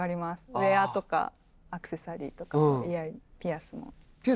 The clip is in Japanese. ウエアとかアクセサリーとかピアスも。